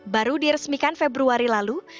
baru diresmikan februari lalu